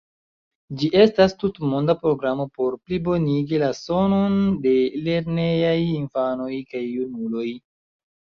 Ĝi estas tutmonda programo por plibonigi la sanon de lernejaj infanoj kaj junuloj.